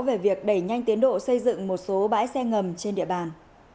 về việc đẩy nhanh tiến độ xây dựng một số bãi xe ngầm trên địa bàn